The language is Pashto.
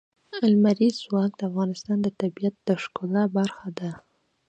لمریز ځواک د افغانستان د طبیعت د ښکلا برخه ده.